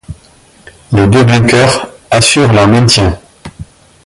Les deux vainqueurs assurent leur maintien.